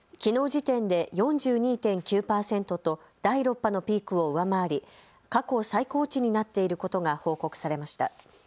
時点で４２．９％と第６波のピークを上回り過去最高値になっていることが報告されました。